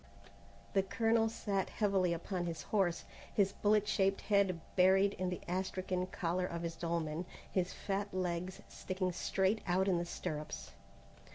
The colonel sat heavily upon his horse, his bullet shaped head buried in the astrakan collar of his dolman, his fat legs sticking straight out in the stirrups.